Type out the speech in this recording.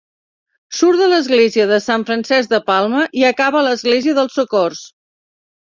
Surt de l'església de Sant Francesc de Palma i acaba a l'Església dels Socors.